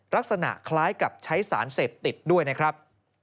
ลักษณะคล้ายกับใช้สารเสพติดด้วยนะครับ